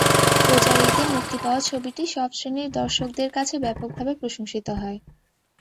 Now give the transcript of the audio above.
রোজার ঈদে মুক্তি পাওয়া ছবিটি সব শ্রেণির দর্শকদের কাছে ব্যাপকভাবে প্রশংসিত হয়।